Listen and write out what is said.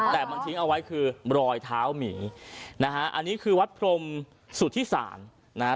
แต่มันทิ้งเอาไว้คือรอยเท้าหมีนะฮะอันนี้คือวัดพรมสุธิศาลนะฮะ